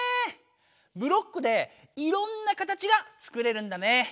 ブロックでいろんな形がつくれるんだね。